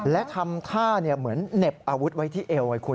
และทำท่าเหมือนเหน็บอาวุธไว้ที่เอวไงคุณ